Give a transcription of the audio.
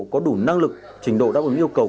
có đủ năng lực trình độ đáp ứng yêu cầu